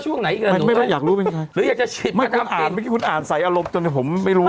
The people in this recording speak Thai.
หลับมั้ยกับพี่หนูยังไม่รู้ชื่ออะไรนะตามหนูยังไม่รู้